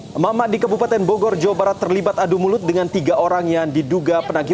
hai mama di kebupaten bogor jawa barat terlibat adu mulut dengan tiga orang yang diduga penanggi